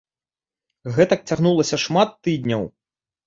Гэтак цягнулася шмат тыдняў.